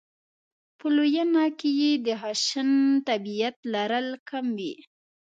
په لویېنه کې یې د خشن طبعیت لرل کم وي.